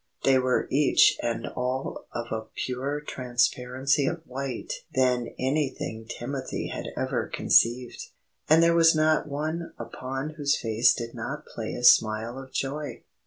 They were each and all of a purer transparency of white than anything Timothy had ever conceived. And there was not one upon whose face did not play a smile of joy.